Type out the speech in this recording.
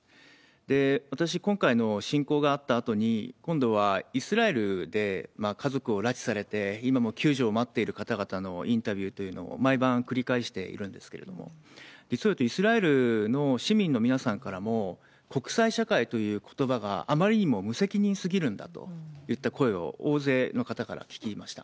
私、今回の侵攻があったあとに、今度はイスラエルで家族を拉致されて、今も救助を待っている方々のインタビューというのを毎晩繰り返しているんですけれども、実をいうと、イスラエルの市民の皆さんからも、国際社会ということばがあまりにも無責任すぎるんだといった声を大勢の方から聞きました。